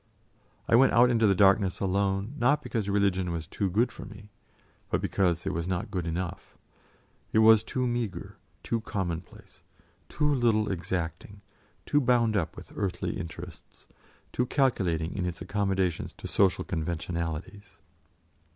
I went out into the darkness alone, not because religion was too good for me, but because it was not good enough; it was too meagre, too commonplace, too little exacting, too bound up with earthly interests, too calculating in its accommodations to social conventionalities.